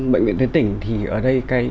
bệnh viện tuyến tỉnh thì ở đây